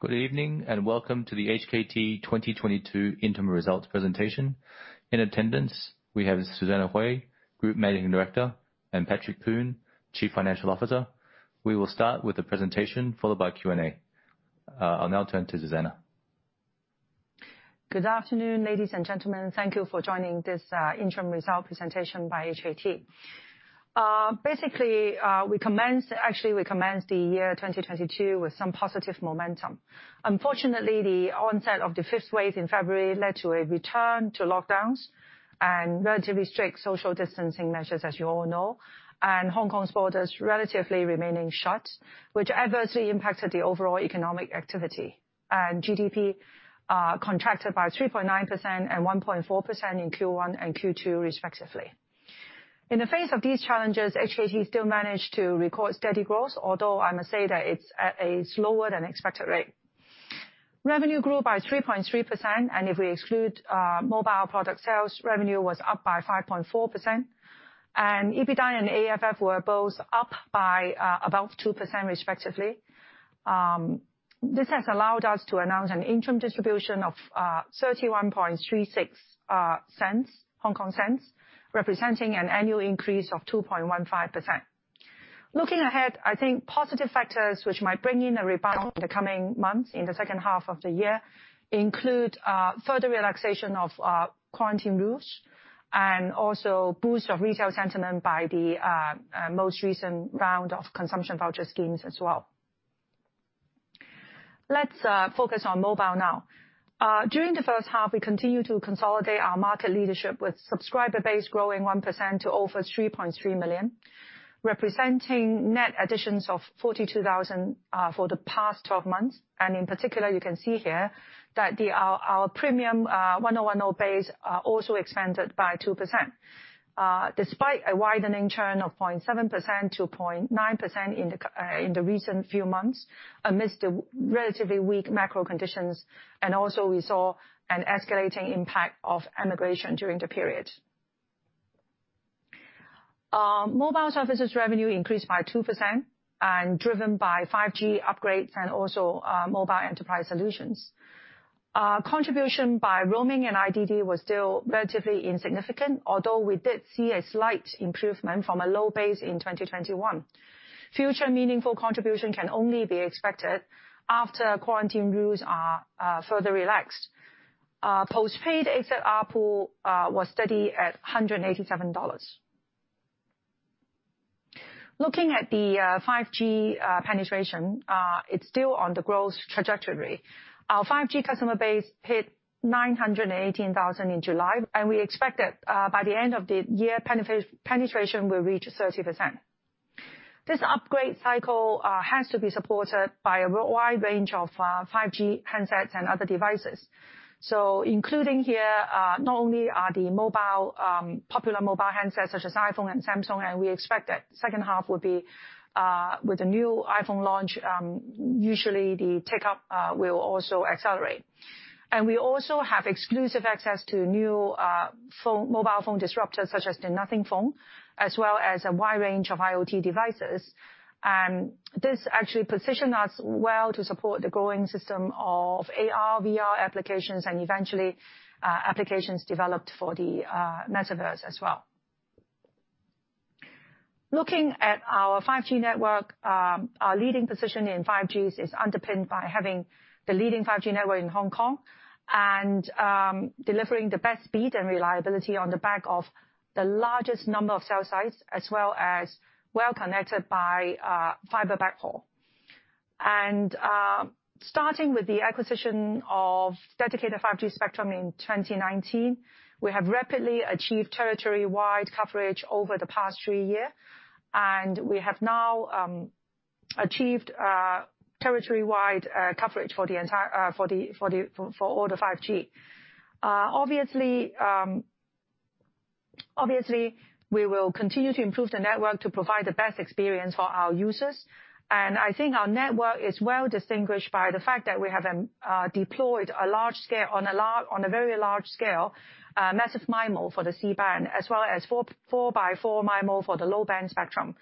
Good evening, and welcome to the HKT 2022 interim results presentation. In attendance, we have Susanna Hui, Group Managing Director, and Patrick Poon, Chief Financial Officer. We will start with the presentation, followed by Q&A. I'll now turn to Susanna. Good afternoon, ladies and gentlemen. Thank you for joining this interim result presentation by HKT. Basically, we commenced the year 2022 with some positive momentum. Unfortunately, the onset of the fifth wave in February led to a return to lockdowns and relatively strict social distancing measures, as you all know, and Hong Kong's borders relatively remaining shut, which adversely impacted the overall economic activity. GDP contracted by 3.9% and 1.4% in Q1 and Q2, respectively. In the face of these challenges, HKT still managed to record steady growth, although I must say that it's at a slower than expected rate. Revenue grew by 3.3%, and if we exclude mobile product sales, revenue was up by 5.4%. EBITDA and AFF were both up by about 2% respectively. This has allowed us to announce an interim distribution of 0.3136, representing an annual increase of 2.15%. Looking ahead, I think positive factors which might bring in a rebound in the coming months in the second half of the year include further relaxation of quarantine rules and also boost of retail sentiment by the most recent round of Consumption Voucher Schemes as well. Let's focus on mobile now. During the first half, we continued to consolidate our market leadership with subscriber base growing 1% to over 3.3 million, representing net additions of 42,000 for the past 12 months. In particular, you can see here that our premium 1O1O base also expanded by 2%, despite a widening churn of 0.7%-0.9% in the recent few months amidst the relatively weak macro conditions, and also we saw an escalating impact of immigration during the period. Mobile services revenue increased by 2% and driven by 5G upgrades and also mobile enterprise solutions. Contribution by roaming and IDD was still relatively insignificant, although we did see a slight improvement from a low base in 2021. Future meaningful contribution can only be expected after quarantine rules are further relaxed. Postpaid ARPU was steady at HKD 187. Looking at the 5G penetration, it's still on the growth trajectory. Our 5G customer base hit 918,000 in July, and we expect that by the end of the year, penetration will reach 30%. This upgrade cycle has to be supported by a wide range of 5G handsets and other devices. Including here, not only are the mobile popular mobile handsets such as iPhone and Samsung, and we expect that second half would be with the new iPhone launch, usually the take-up will also accelerate. We also have exclusive access to new phone mobile phone disruptors, such as the Nothing Phone, as well as a wide range of IoT devices. This actually position us well to support the growing system of AR/VR applications and eventually applications developed for the metaverse as well. Looking at our 5G network, our leading position in 5G is underpinned by having the leading 5G network in Hong Kong and, delivering the best speed and reliability on the back of the largest number of cell sites, as well as connected by fiber backhaul. Starting with the acquisition of dedicated 5G spectrum in 2019, we have rapidly achieved territory-wide coverage over the past three years. We have now achieved territory-wide coverage for all the 5G. Obviously, we will continue to improve the network to provide the best experience for our users. I think our network is well distinguished by the fact that we have deployed on a very large scale Massive MIMO for the C-band, as well as 4x4 MIMO for the low-band spectrum,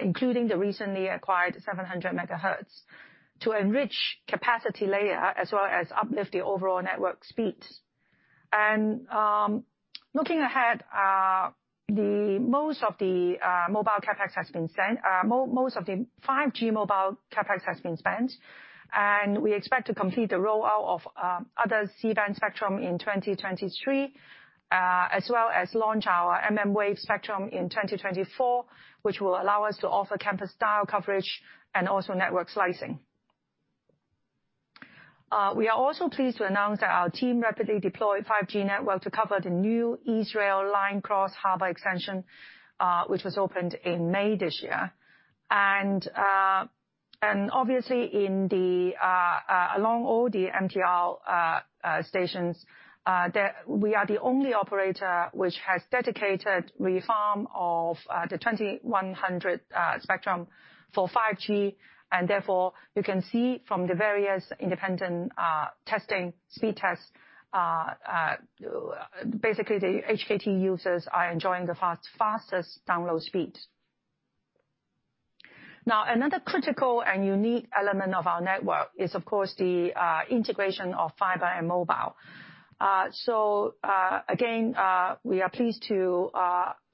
including the recently acquired 700 MHz to enrich capacity layer as well as uplift the overall network speeds. Most of the mobile CapEx has been spent. Most of the 5G mobile CapEx has been spent, and we expect to complete the rollout of other C-band spectrum in 2023, as well as launch our mmWave spectrum in 2024, which will allow us to offer campus-style coverage and also Network Slicing. We are also pleased to announce that our team rapidly deployed 5G network to cover the new East Rail Line Cross-Harbour Extension, which was opened in May this year. Obviously, along all the MTR stations, we are the only operator which has dedicated refarming of the 2100 MHz spectrum for 5G. Therefore, you can see from the various independent testing, speed tests, basically the HKT users are enjoying the fastest download speed. Now another critical and unique element of our network is of course the integration of fiber and mobile. We are pleased to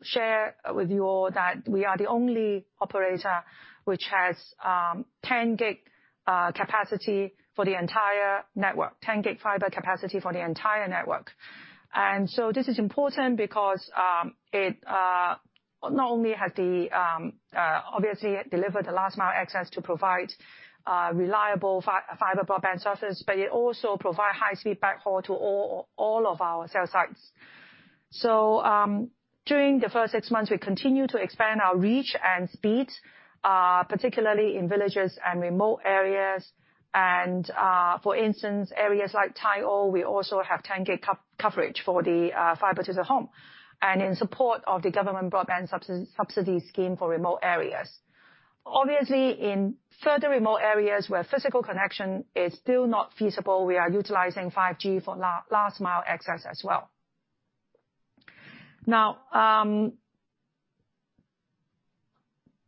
share with you all that we are the only operator which has 10G capacity for the entire network, 10G fiber capacity for the entire network. This is important because it delivered the last mile access to provide reliable fiber broadband service, but it also provide high-speed backhaul to all of our cell sites. During the first six months, we continued to expand our reach and speed, particularly in villages and remote areas and, for instance, areas like Tai O, we also have 10G coverage for the fiber to the home, and in support of the government broadband subsidy scheme for remote areas. Obviously, in further remote areas where physical connection is still not feasible, we are utilizing 5G for last mile access as well. Now,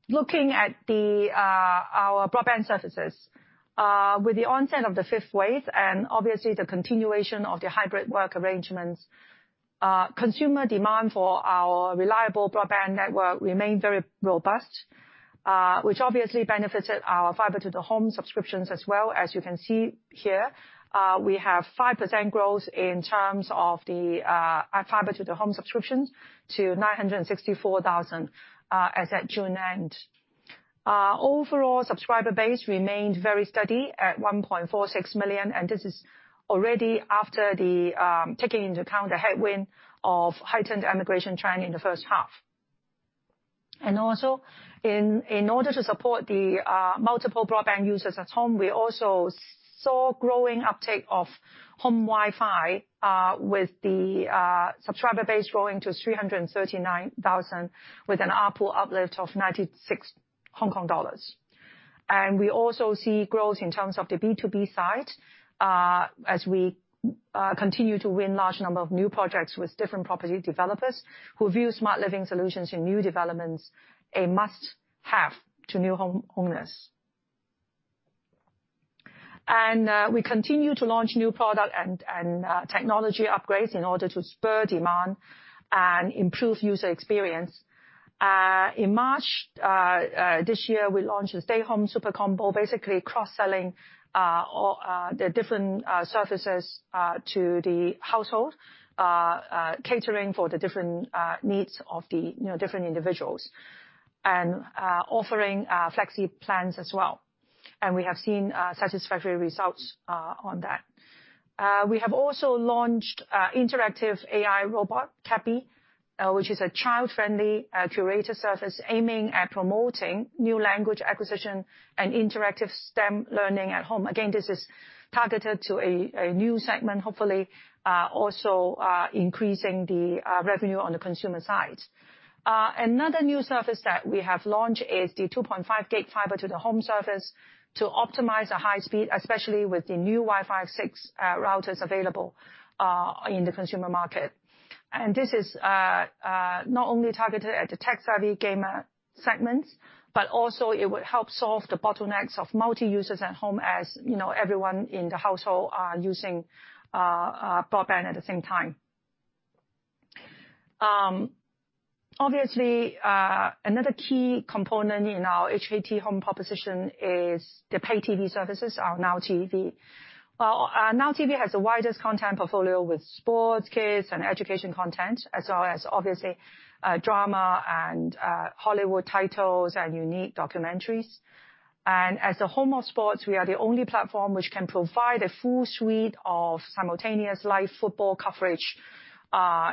looking at our broadband services, with the onset of the fifth wave and obviously the continuation of the hybrid work arrangements, consumer demand for our reliable broadband network remained very robust, which obviously benefited our Fiber to the Home subscriptions as well. As you can see here, we have 5% growth in terms of our Fiber to the Home subscriptions to 964,000, as at June end. Our overall subscriber base remained very steady at 1.46 million, and this is already after taking into account the headwind of heightened immigration trend in the first half. In order to support the multiple broadband users at home, we also saw growing uptake of Home Wi-Fi with the subscriber base growing to 339,000, with an ARPU uplift of 96 Hong Kong dollars. We also see growth in terms of the B2B side, as we continue to win large number of new projects with different property developers who view smart living solutions in new developments a must-have to new homeowners. We continue to launch new products and technology upgrades in order to spur demand and improve user experience. In March this year, we launched the Stay Home Super Combo, basically cross-selling the different services to the household, catering for the different needs of the, you know, different individuals and offering flexi plans as well. We have seen satisfactory results on that. We have also launched interactive AI robot Cappy, which is a child-friendly curator service aiming at promoting new language acquisition and interactive STEM learning at home. Again, this is targeted to a new segment, hopefully also increasing the revenue on the consumer side. Another new service that we have launched is the 2.5 GB fiber to the home service to optimize the high speed, especially with the new Wi-Fi six routers available in the consumer market. This is not only targeted at the tech savvy gamer segments, but also it would help solve the bottlenecks of multi-users at home as, you know, everyone in the household are using broadband at the same time. Obviously, another key component in our HKT home proposition is the pay TV services, our Now TV. Well, our Now TV has the widest content portfolio with sports, kids, and education content, as well as obviously, drama and Hollywood titles and unique documentaries. As the home of sports, we are the only platform which can provide a full suite of simultaneous live football coverage,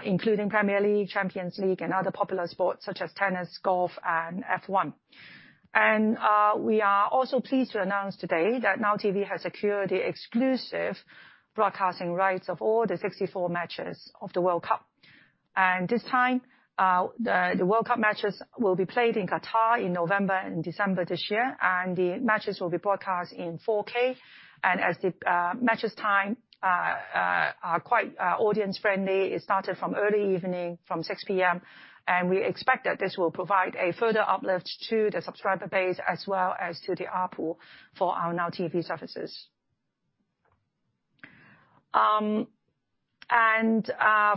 including Premier League, Champions League, and other popular sports such as tennis, golf, and F1. We are also pleased to announce today that Now TV has secured the exclusive broadcasting rights of all the 64 matches of the World Cup. This time, the World Cup matches will be played in Qatar in November and December this year, and the matches will be broadcast in 4K. As the matches time are quite audience friendly, it started from early evening, from 6:00 P.M., and we expect that this will provide a further uplift to the subscriber base as well as to the ARPU for our Now TV services.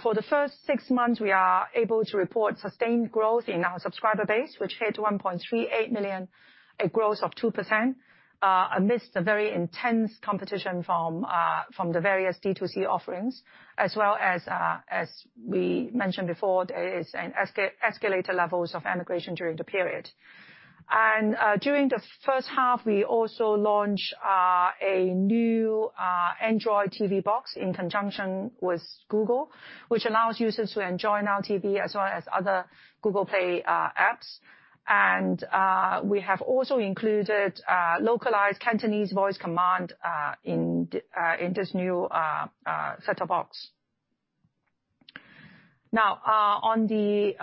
For the first six months, we are able to report sustained growth in our subscriber base, which hit 1.38 million, a growth of 2%, amidst a very intense competition from the various D2C offerings, as well as we mentioned before, there is an escalating levels of immigration during the period. During the first half, we also launched a new Android TV box in conjunction with Google, which allows users to enjoy Now TV as well as other Google Play apps. We have also included localized Cantonese voice command in this new set-top box. Now, on the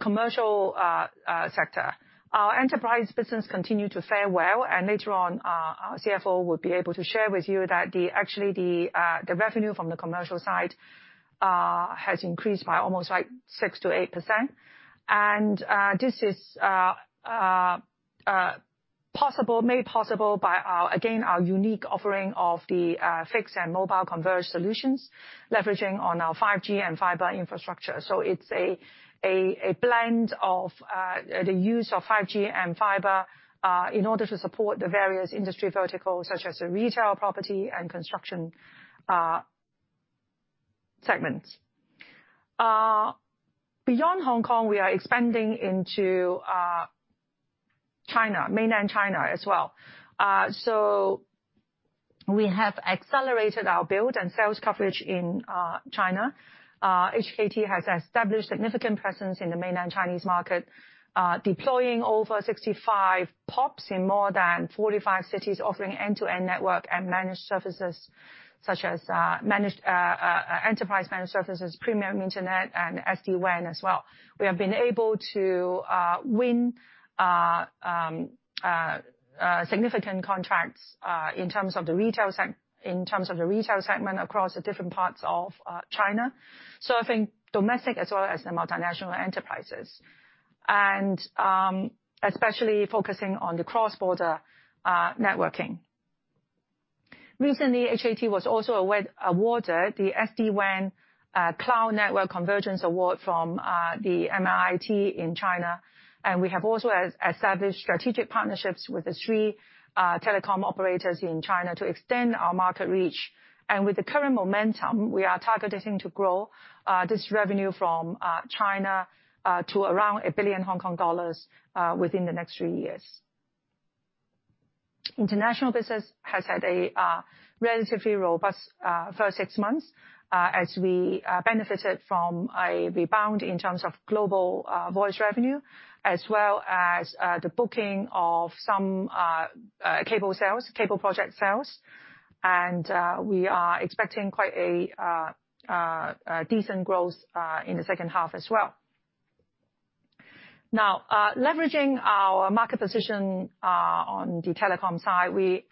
commercial sector. Our enterprise business continued to fare well, and later on, our CFO will be able to share with you that actually the revenue from the commercial side has increased by almost like 6%-8%. This is made possible by our again our unique offering of the fixed and mobile converged solutions leveraging on our 5G and fiber infrastructure. It's a blend of the use of 5G and fiber in order to support the various industry verticals such as the retail, property, and construction segments. Beyond Hong Kong, we are expanding into China, Mainland China as well. We have accelerated our build and sales coverage in China. HKT has established significant presence in the Mainland Chinese market, deploying over 65 PoPs in more than 45 cities offering end-to-end network and managed services such as enterprise managed services, premium internet, and SD-WAN as well. We have been able to win significant contracts in terms of the retail segment across the different parts of China, serving domestic as well as the multinational enterprises, and especially focusing on the cross-border networking. Recently, HKT was also awarded the SD-WAN + Cloud Network Convergence award from the MIIT in China, and we have also established strategic partnerships with the three telecom operators in China to extend our market reach. With the current momentum, we are targeting to grow this revenue from China to around 1 billion Hong Kong dollars within the next three years. International business has had a relatively robust first six months as we benefited from a rebound in terms of global voice revenue, as well as the booking of some cable sales, cable project sales. We are expecting quite a decent growth in the second half as well. Now, leveraging our market position on the telecom side, we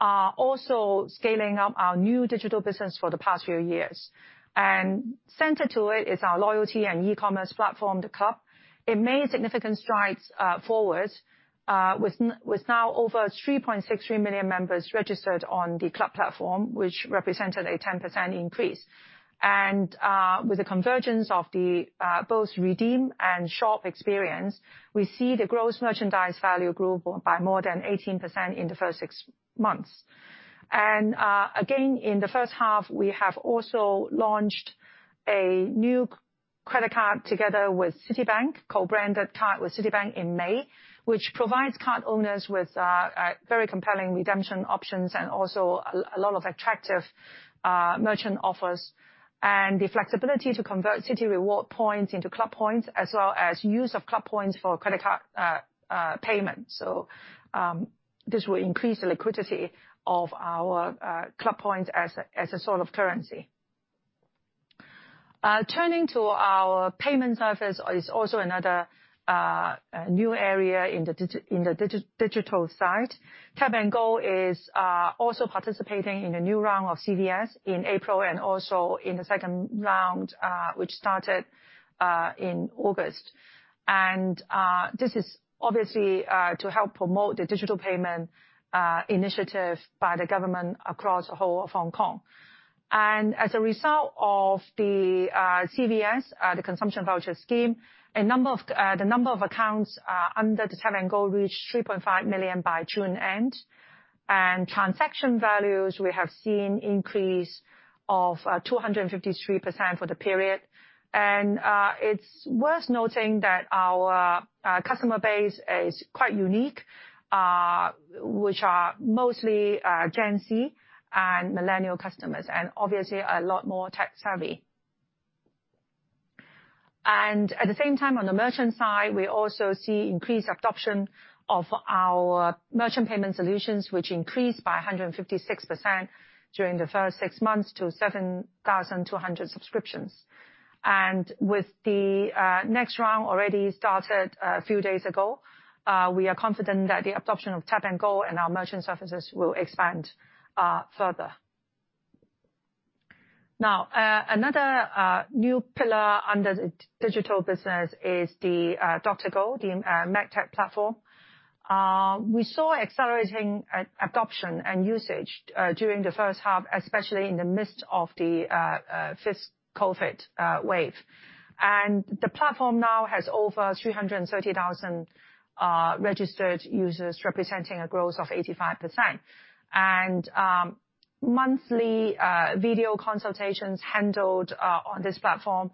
are also scaling up our new digital business for the past few years. Central to it is our loyalty and e-commerce platform, The Club. It made significant strides forward with now over 3.63 million members registered on The Club platform, which represented a 10% increase. With the convergence of both redeem and shop experience, we see the gross merchandise value grew by more than 18% in the first six months. In the first half, we have also launched a new credit card together with Citibank, co-branded card with Citibank in May, which provides card owners with a very compelling redemption options and also a lot of attractive merchant offers, and the flexibility to convert Citi Points into Clubpoints as well as use of Clubpoints for credit card payment. This will increase the liquidity of our Clubpoints as a sort of currency. Turning to our payment service is also another a new area in the digital side. Tap & Go is also participating in a new round of CVS in April and also in the second round which started in August. This is obviously to help promote the digital payment initiative by the government across the whole of Hong Kong. As a result of the CVS, the Consumption Voucher Scheme, the number of accounts under the Tap & Go reached 3.5 million by June end. Transaction values, we have seen increase of 253% for the period. It's worth noting that our customer base is quite unique, which are mostly Gen Z and millennial customers, and obviously a lot more tech-savvy. At the same time, on the merchant side, we also see increased adoption of our merchant payment solutions, which increased by 156% during the first six months to 7,200 subscriptions. With the next round already started a few days ago, we are confident that the adoption of Tap & Go and our merchant services will expand further. Now, another new pillar under the digital business is the DrGo, the MedTech platform. We saw accelerating adoption and usage during the first half, especially in the midst of the fifth COVID wave. The platform now has over 330,000 registered users, representing a growth of 85%. Monthly video consultations handled on this platform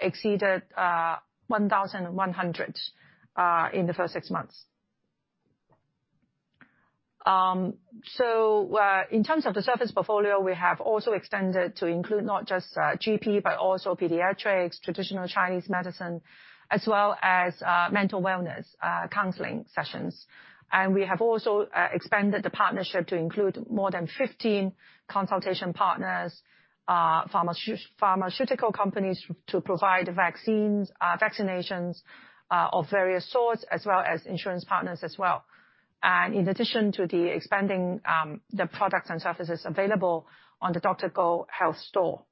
exceeded 1,100 in the first six months. In terms of the service portfolio, we have also extended to include not just GP, but also pediatrics, traditional Chinese medicine, as well as mental wellness counseling sessions. We have also expanded the partnership to include more than 15 consultation partners, pharmaceutical companies to provide vaccines, vaccinations of various sorts, as well as insurance partners as well. In addition to expanding the products and services available on the DrGo. DrGo health store.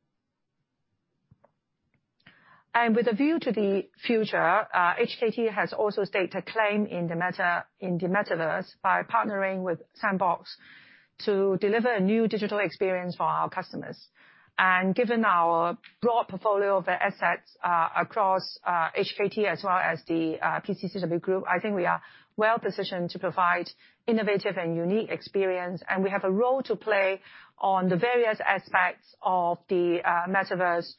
With a view to the future, HKT has also staked a claim in the Metaverse by partnering with The Sandbox to deliver a new digital experience for our customers. Given our broad portfolio of assets across HKT, as well as the PCCW Group, I think we are well positioned to provide innovative and unique experience. We have a role to play on the various aspects of the Metaverse,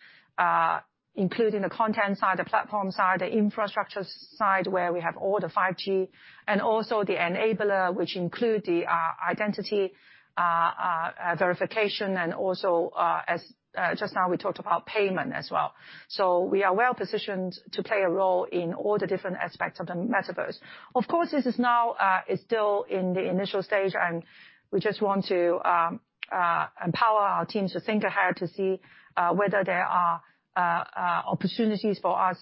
including the content side, the platform side, the infrastructure side, where we have all the 5G. Also the enabler, which include the identity verification, and also, as just now, we talked about payment as well. We are well positioned to play a role in all the different aspects of the Metaverse. Of course, this is still in the initial stage, and we just want to empower our teams to think ahead to see whether there are opportunities for us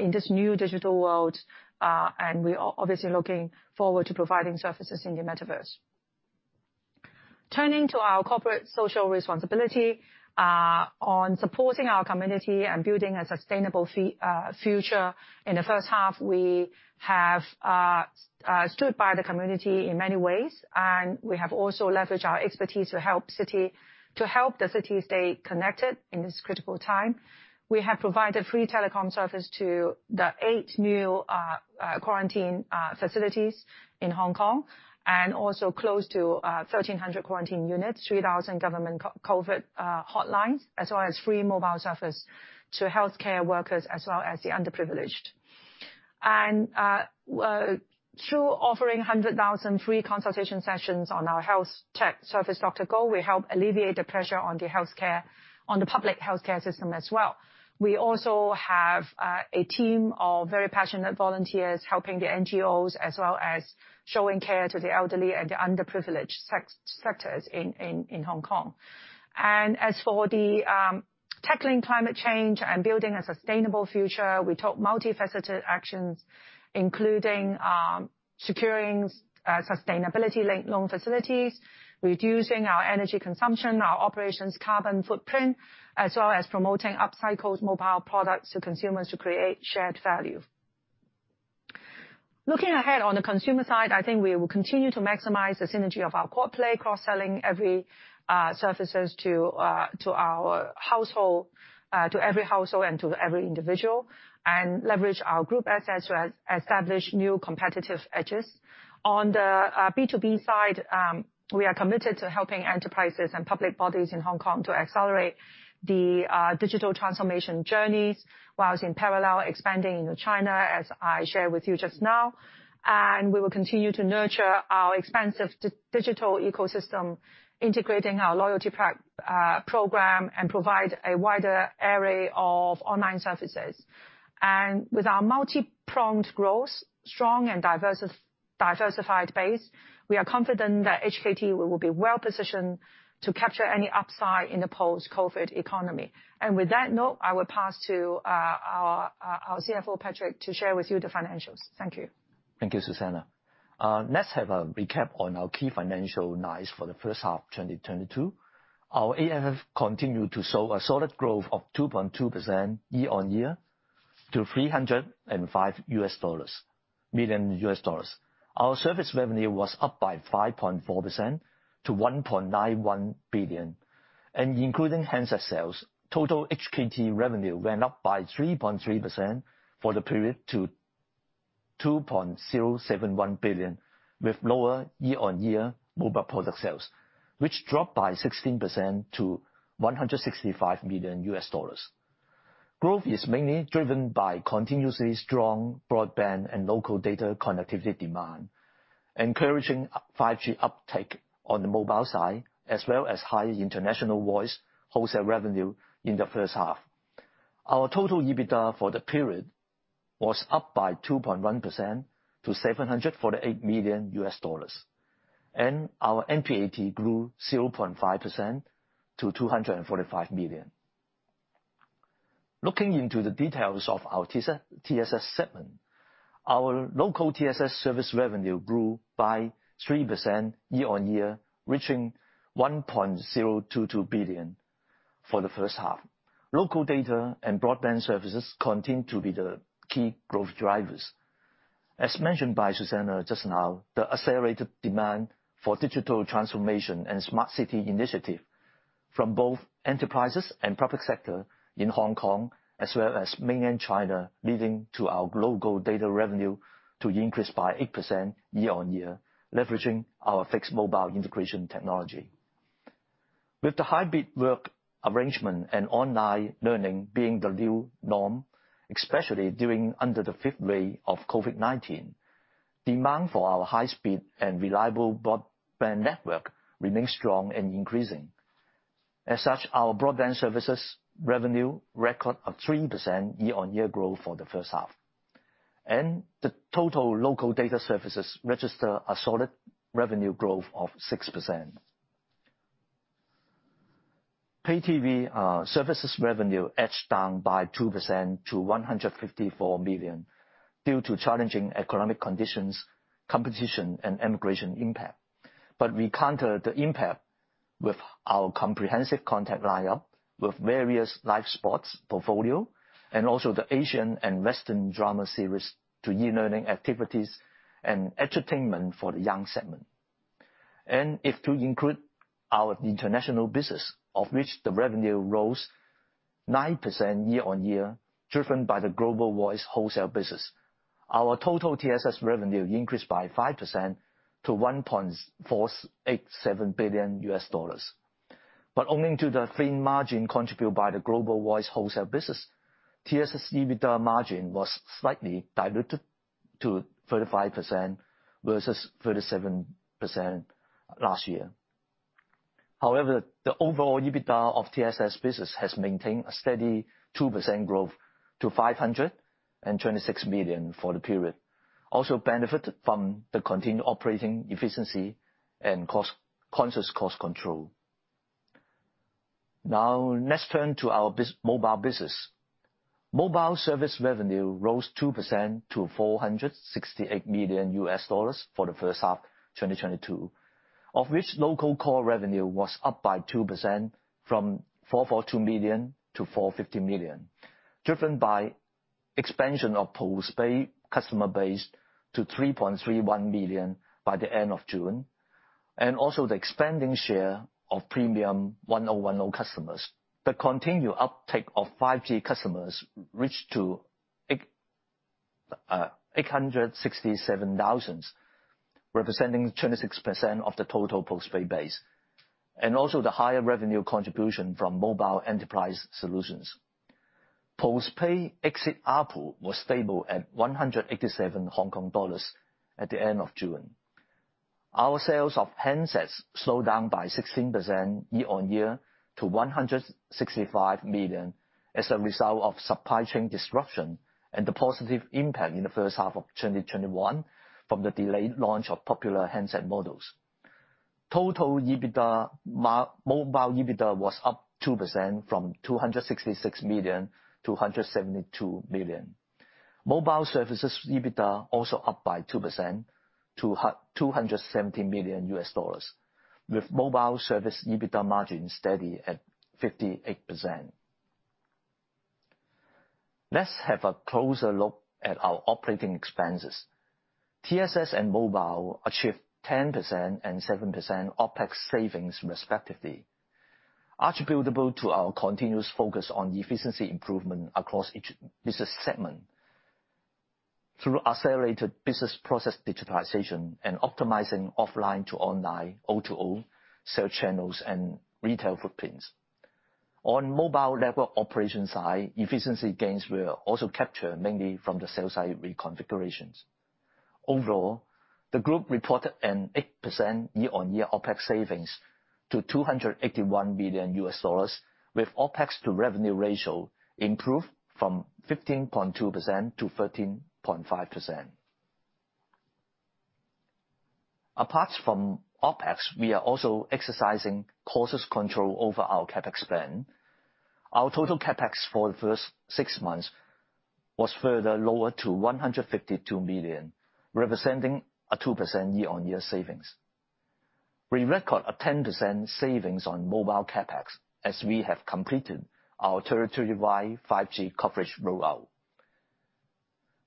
in this new digital world, and we are obviously looking forward to providing services in the Metaverse. Turning to our corporate social responsibility on supporting our community and building a sustainable future. In the first half, we have stood by the community in many ways, and we have also leveraged our expertise to help the city stay connected in this critical time. We have provided free telecom service to the eight new quarantine facilities in Hong Kong. Close to 1,300 quarantine units, 3,000 government COVID hotlines, as well as free mobile service to healthcare workers, as well as the underprivileged. Through offering 100,000 free consultation sessions on our healthtech service, DrGo, we help alleviate the pressure on the healthcare, on the public healthcare system as well. We also have a team of very passionate volunteers helping the NGOs, as well as showing care to the elderly and the underprivileged sectors in Hong Kong. As for tackling climate change and building a sustainable future, we took multifaceted actions, including securing sustainability-linked loan facilities, reducing our energy consumption, our operations' carbon footprint, as well as promoting upcycled mobile products to consumers to create shared value. Looking ahead on the consumer side, I think we will continue to maximize the synergy of our quad play, cross-selling every services to every household and to every individual, and leverage our group assets to establish new competitive edges. On the B2B side, we are committed to helping enterprises and public bodies in Hong Kong to accelerate the digital transformation journeys, whilst in parallel expanding into China, as I shared with you just now. We will continue to nurture our expansive digital ecosystem, integrating our loyalty program, and provide a wider array of online services. With our multi-pronged growth, strong and diversified base, we are confident that HKT will be well positioned to capture any upside in the post-COVID economy. With that note, I will pass to our CFO, Patrick, to share with you the financials. Thank you. Thank you, Susanna. Let's have a recap on our key financial lines for the first half 2022. Our AFF continued to show a solid growth of 2.2% year-on-year to $305 million. Our service revenue was up by 5.4% to 1.91 billion. Including handset sales, total HKT revenue went up by 3.3% for the period to 2.071 billion, with lower year-on-year mobile product sales, which dropped by 16% to $165 million. Growth is mainly driven by continuously strong broadband and local data connectivity demand, encouraging 5G uptake on the mobile side, as well as higher international voice wholesale revenue in the first half. Our total EBITDA for the period was up by 2.1% to $748 million. Our NPAT grew 0.5% to $245 million. Looking into the details of our TSS segment, our local TSS service revenue grew by 3% year-on-year, reaching $1.022 billion for the first half. Local data and broadband services continue to be the key growth drivers. As mentioned by Susanna just now, the accelerated demand for digital transformation and smart city initiative from both enterprises and public sector in Hong Kong, as well as mainland China, leading to our global data revenue to increase by 8% year-on-year, leveraging our fixed mobile integration technology. With the hybrid work arrangement and online learning being the new norm, especially during the fifth wave of COVID-19, demand for our high speed and reliable broadband network remains strong and increasing. As such, our broadband services revenue records a 3% year-on-year growth for the first half. The total local data services registered a solid revenue growth of 6%. Pay TV services revenue edged down by 2% to 154 million, due to challenging economic conditions, competition, and immigration impact. We counter the impact with our comprehensive content lineup, with various live sports portfolio, and also the Asian and Western drama series to e-learning activities and entertainment for the young segment. If we include our international business, of which the revenue rose 9% year-on-year, driven by the global voice wholesale business. Our total TSS revenue increased by 5% to $1.487 billion. Owing to the thin margin contributed by the global voice wholesale business, TSS EBITDA margin was slightly diluted to 35% versus 37% last year. The overall EBITDA of TSS business has maintained a steady 2% growth to $526 million for the period, also benefited from the continued operating efficiency and cost-conscious cost control. Now, let's turn to our mobile business. Mobile service revenue rose 2% to $468 million for the first half 2022. Of which, local core revenue was up by 2% from $442 million to $450 million, driven by expansion of postpaid customer base to 3.31 million by the end of June. The expanding share of premium 1O1O customers. The continued uptake of 5G customers reached 800,00 and 67,000, representing 26% of the total postpaid base, and also the higher revenue contribution from mobile enterprise solutions. Postpaid exit ARPU was stable at 187 Hong Kong dollars at the end of June. Our sales of handsets slowed down by 16% year-on-year to 165 million as a result of supply chain disruption and the positive impact in the first half of 2021 from the delayed launch of popular handset models. Total mobile EBITDA was up 2% from 266 million to 172 million. Mobile services EBITDA also up by 2% to $270 million, with mobile service EBITDA margin steady at 58%. Let's have a closer look at our operating expenses. TSS and mobile achieved 10% and 7% OpEx savings, respectively, attributable to our continuous focus on efficiency improvement across each business segment through accelerated business process digitalization and optimizing offline to online O2O sale channels and retail footprints. On mobile network operation side, efficiency gains were also captured, mainly from the sales side reconfigurations. Overall, the group reported an 8% year-on-year OpEx savings to $281 million, with OpEx to revenue ratio improved from 15.2% to 13.5%. Apart from OpEx, we are also exercising cautious control over our CapEx spend. Our total CapEx for the first six months was further lowered to $152 million, representing a 2% year-on-year savings. We record a 10% savings on mobile CapEx, as we have completed our territory-wide 5G coverage rollout.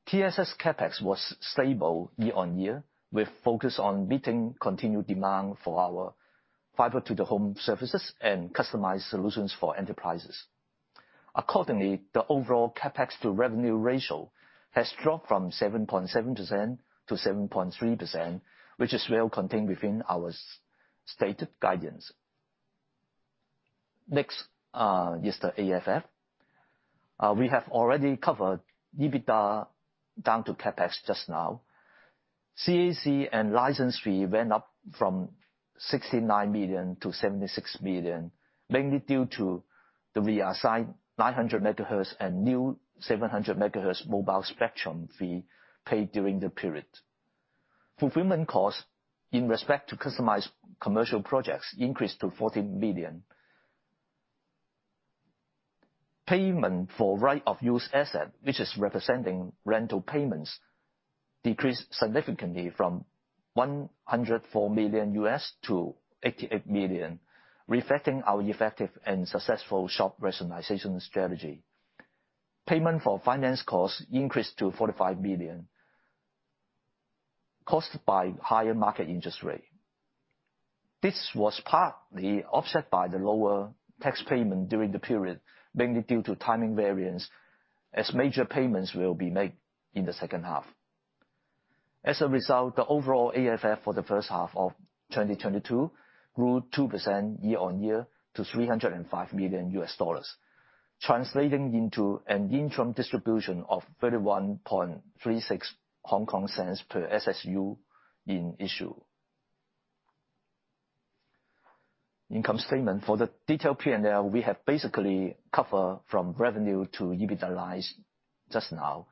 TSS CapEx was stable year-on-year, with focus on meeting continued demand for our fiber to the home services and customized solutions for enterprises. Accordingly, the overall CapEx to revenue ratio has dropped from 7.7% to 7.3%, which is well contained within our stated guidance. Next, is the AFF. We have already covered EBITDA down to CapEx just now. CAC and license fee went up from 69 million to 76 million, mainly due to the reassigned 900 MHz and new 700 MHz mobile spectrum fee paid during the period. Fulfillment costs in respect to customized commercial projects increased to 40 million. Payment for right of use asset, which is representing rental payments, decreased significantly from $104 million-$88 million, reflecting our effective and successful shop rationalization strategy. Payment for finance costs increased to $45 million, caused by higher market interest rate. This was partly offset by the lower tax payment during the period, mainly due to timing variance, as major payments will be made in the second half. As a result, the overall AFF for the first half of 2022 grew 2% year-on-year to $305 million, translating into an interim distribution of 0.3136 per SSU in issue. Income statement. For the detailed P&L, we have basically covered from revenue to EBITDA lines just now.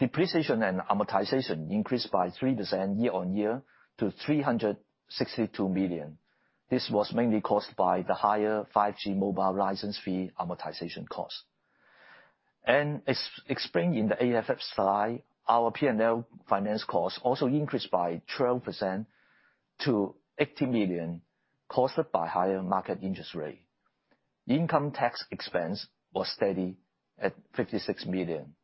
Depreciation and amortization increased by 3% year-on-year to 362 million. This was mainly caused by the higher 5G mobile license fee amortization cost. Explaining the AFF slide, our P&L finance cost also increased by 12% to $80 million, caused by higher market interest rate. Income tax expense was steady at $56 million.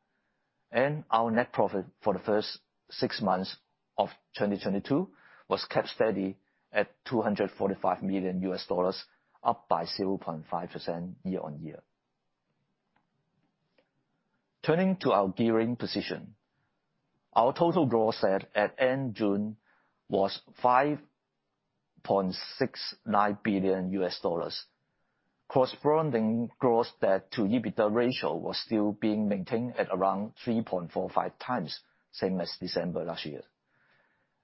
Our net profit for the first six months of 2022 was kept steady at $245 million, up by 0.5% year-on-year. Turning to our gearing position, our total gross debt at end June was $5.69 billion. Corresponding gross debt to EBITDA ratio was still being maintained at around 3.45x, same as December last year.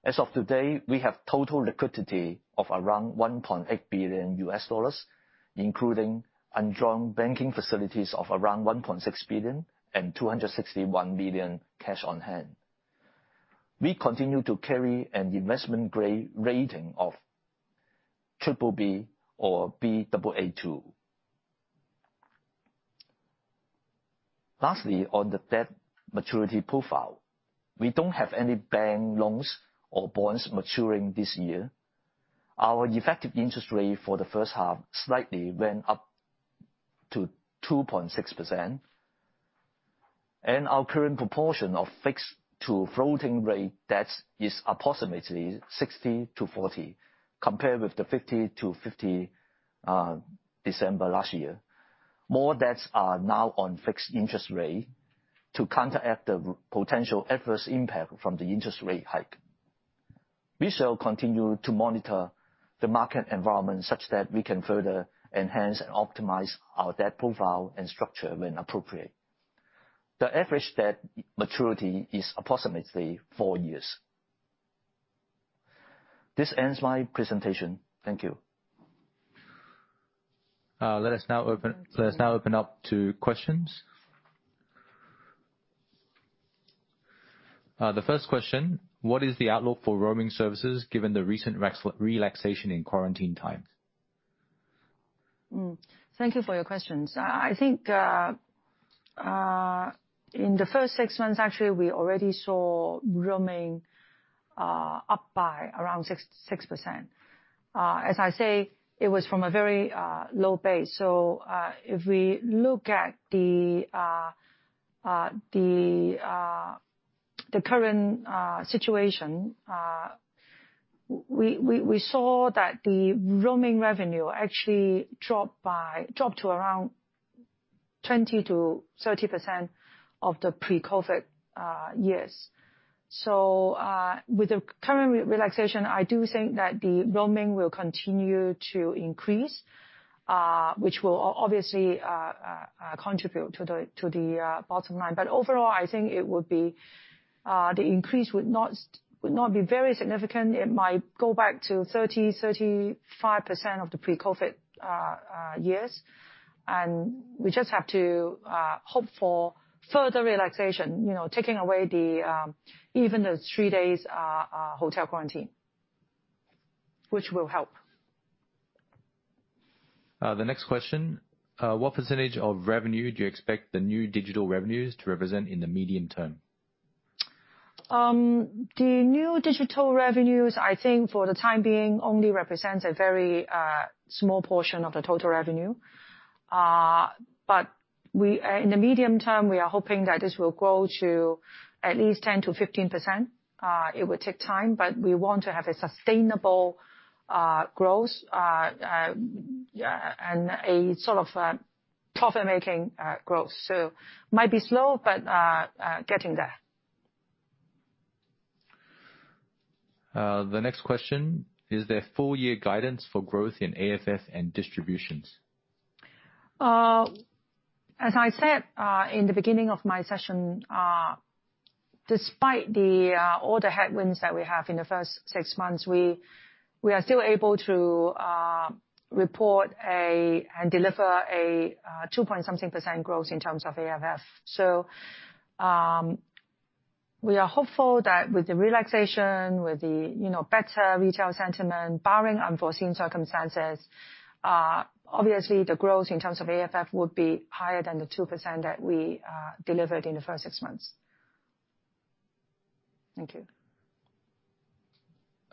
As of today, we have total liquidity of around $1.8 billion, including undrawn banking facilities of around $1.6 billion and $261 million cash on hand. We continue to carry an investment grade rating of BBB or Baa2. Lastly, on the debt maturity profile, we don't have any bank loans or bonds maturing this year. Our effective interest rate for the first half slightly went up to 2.6%. Our current proportion of fixed to floating rate debts is approximately 60-40, compared with the 50-50, December last year. More debts are now on fixed interest rate to counteract the potential adverse impact from the interest rate hike. We shall continue to monitor the market environment such that we can further enhance and optimize our debt profile and structure when appropriate. The average debt maturity is approximately four years. This ends my presentation. Thank you. Let us now open up to questions. The first question, what is the outlook for roaming services given the recent relaxation in quarantine times? Thank you for your questions. I think in the first six months, actually, we already saw roaming up by around 6%. As I say, it was from a very low base. If we look at the current situation, we saw that the roaming revenue actually dropped to around 20%-30% of the pre-COVID years. With the current relaxation, I do think that the roaming will continue to increase, which will obviously contribute to the bottom line. Overall, I think the increase would not be very significant. It might go back to 30%-35% of the pre-COVID years. We just have to hope for further relaxation. You know, taking away even the three days hotel quarantine, which will help. The next question, what percentage of revenue do you expect the new digital revenues to represent in the medium-term? The new digital revenues, I think for the time being, only represents a very small portion of the total revenue. In the medium-term, we are hoping that this will grow to at least 10%-15%. It will take time, but we want to have a sustainable growth and a sort of profit making growth. Might be slow, but getting there. The next question, is there full year guidance for growth in AFF and distributions? As I said in the beginning of my session, despite all the headwinds that we have in the first six months, we are still able to report and deliver a two point something percent growth in terms of AFF. We are hopeful that with the relaxation with the you know better retail sentiment, barring unforeseen circumstances, obviously the growth in terms of AFF would be higher than the 2% that we delivered in the first six months. Thank you.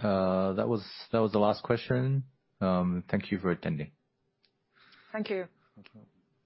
That was the last question. Thank you for attending. Thank you. Okay.